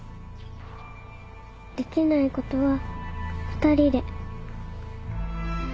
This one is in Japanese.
できないことは二人で。